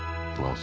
あ